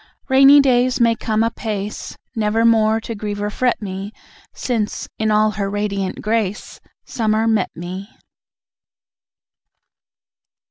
Rainy days may come apace, Nevermore to grieve or fret me, Since, in all her radiant grace, Summer met me!